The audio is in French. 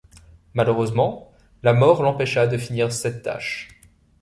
Malheureusement, la mort l’empêcha de finir cette tâche.